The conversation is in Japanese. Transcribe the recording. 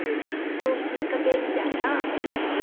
そのきっかけみたいなのは何？